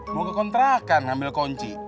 mau ke kontrakan ambil kunci